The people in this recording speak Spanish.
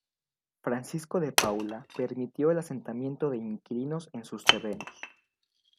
Francisco de Paula permitió el asentamiento de inquilinos en sus terrenos.